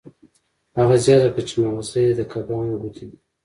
هغه زیاته کړه چې ماغزه یې د کبانو ګوتې دي